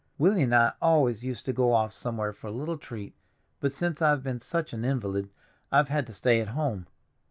Willie and I always used to go off somewhere for a little treat, but since I've been such an invalid I've had to stay at home.